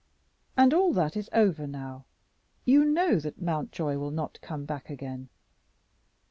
And all that is over now: you know that Mountjoy will not come back again."